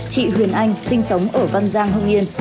chị huyền anh sinh sống ở văn giang hưng yên